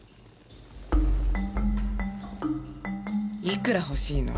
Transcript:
いくら欲しいの？